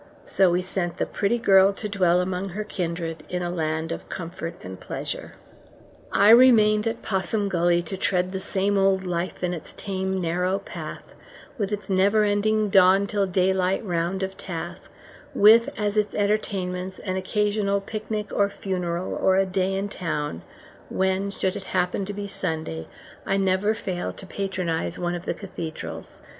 So we sent the pretty girl to dwell among her kindred in a land of comfort and pleasure. I remained at Possum Gully to tread the same old life in its tame narrow path, with its never ending dawn till daylight round of tasks; with, as its entertainments, an occasional picnic or funeral or a day in town, when, should it happen to be Sunday, I never fail to patronize one of the cathedrals.